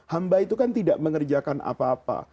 hamba itu kan tidak mengerjakan apa apa